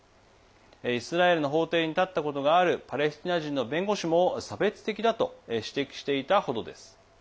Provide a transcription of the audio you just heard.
イスラエルの法廷に立ったことがあるパレスチナ人の弁護士も差別的だと指摘していた程です。